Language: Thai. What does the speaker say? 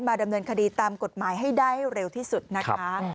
ดำเนินคดีตามกฎหมายให้ได้เร็วที่สุดนะคะ